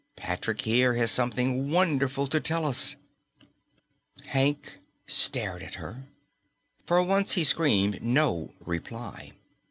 Patrick here has something wonderful to tell us." Hank stared at her. For once he screamed no reply.